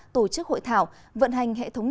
tổ chức hội thảo vận hành hệ thống